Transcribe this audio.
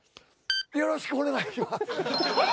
よろしくお願いします。